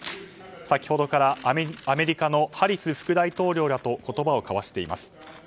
先ほどからアメリカのハリス副大統領らと言葉を交わしています。